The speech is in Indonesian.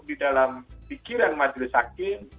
di dalam pikiran majelis hakim